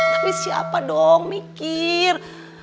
tapi siapa dong mikir